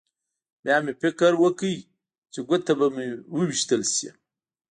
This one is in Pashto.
بیا مې فکر وکړ چې ګوته به مې وویشتل شي